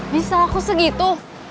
bisa aku segitu